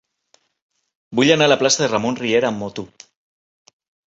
Vull anar a la plaça de Ramon Riera amb moto.